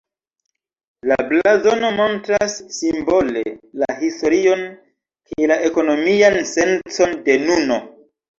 La blazono montras simbole la historion kaj la ekonomian sencon de nuno.